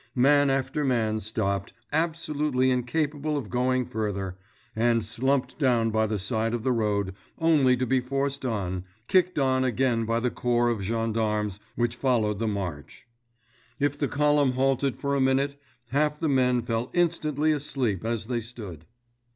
Man after man stopped, absolutely incapable of going further, and slumped down by the side of the road only to be forced on, kicked on again by the corps of gendarmes which followed the march. If the column halted for a minute, half the men fell instantly asleep as they stood.